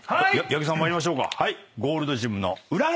八木さん参りましょうか。